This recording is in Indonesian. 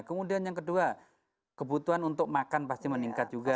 kemudian yang kedua kebutuhan untuk makan pasti meningkat juga